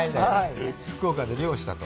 福岡で漁をしたと。